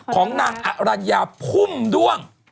ของนางอรัญญาพุ่มด้วง